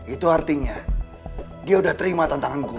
itu artinya dia udah terima tantangan gue